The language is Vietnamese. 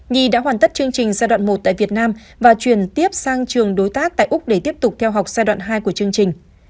nhi đã hoàn tất chương trình giai đoạn một tại việt nam và chuyển tiếp sang trường đối tác tại úc để tiếp tục theo học giai đoạn hai của chương trình